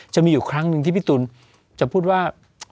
จะมีอยู่ครั้งหนึ่งที่พี่ตูนจะพูดว่า